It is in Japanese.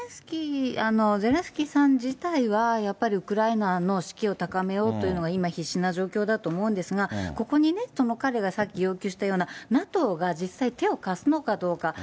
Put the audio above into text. ゼレンスキーさん自体はやっぱりウクライナの士気を高めようというのが今、必死な状況だと思うんですが、ここに彼がさっき要求したようなＮＡＴＯが実際、手を貸すのかどうか。